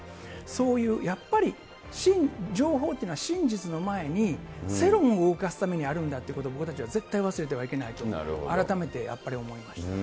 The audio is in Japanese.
そういうやっぱり、情報というのは真実の前に世論を動かすためにあるんだっていうことを、僕たちは絶対忘れてはいけないと、改めてやっぱり思いました。